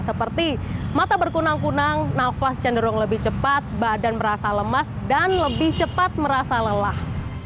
seperti mata berkunang kunang nafas cenderung lebih cepat badan merasa lemas dan lebih cepat merasa lelah